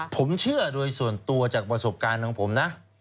ผมเชื่อโดยส่วนตัวจากประสบการณ์ของผมนะ